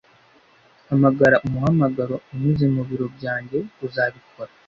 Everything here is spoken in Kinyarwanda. Hamagara umuhamagaro unyuze mu biro byanjye, uzabikora?